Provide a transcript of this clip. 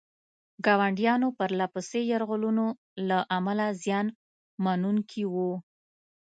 ګاونډیانو پرله پسې یرغلونو له امله زیان منونکي وو.